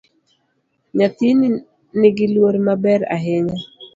Nyathini nigiluor maber ahinya